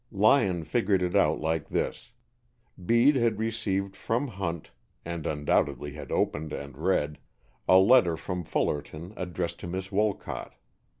Lyon figured it out like this: Bede had received from Hunt (and undoubtedly had opened and read) a letter from Fullerton addressed to Miss Wolcott.